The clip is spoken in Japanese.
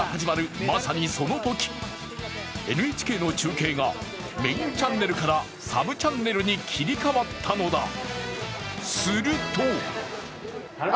まさにそのとき、ＮＨＫの中継がメインチャンネルからサブチャンネルに切り替わったのだ。